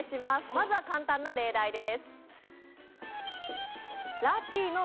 まずは簡単な例題です。